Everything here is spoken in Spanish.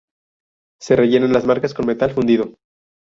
Se rellenan las marcas con metal fundido.